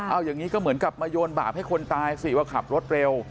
เอาอย่างนี้ก็เหมือนกับมาโยนบาปให้คนตายสิว่าขับรถเร็ว